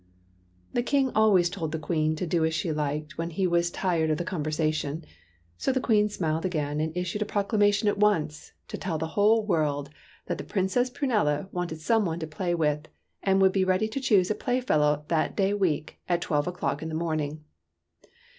The King always told the Queen to do as she liked when he was tired of the conversa tion ; so the Queen smiled again and issued a TEARS OF PRINCESS PRUNELLA 105 proclamation at once, to tell the whole world that the Princess Prunella wanted some one to play with, and would be ready to choose a play fellow that day week, at twelve o'clock in the morning.